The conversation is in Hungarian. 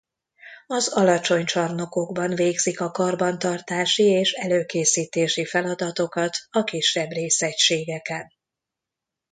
Az alacsony csarnokokban végzik a karbantartási és előkészítési feladatokat a kisebb részegységeken.